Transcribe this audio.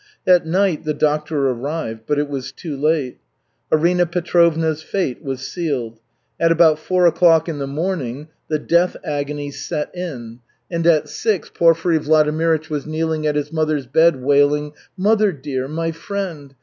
At night the doctor arrived, but it was too late. Arina Petrovna's fate was sealed. At about four o'clock in the morning the death agony set in and at six Porfiry Vladimirych was kneeling at his mother's bed wailing: "Mother dear! My friend!